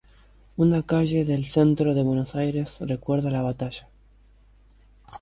Una calle del centro de Buenos Aires recuerda la batalla.